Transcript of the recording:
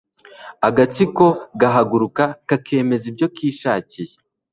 agatsiko gahaguruka kakemeza ibyo kishakiye